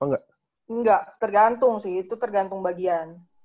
nggak tergantung sih itu tergantung bagian